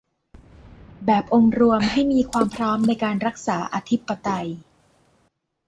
แบบองค์รวมให้มีความพร้อมในการรักษาอธิปไตย